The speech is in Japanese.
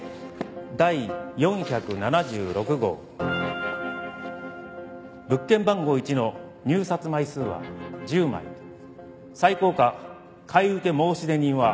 第４７６号物件番号１の入札枚数は１０枚最高価買受申出人は。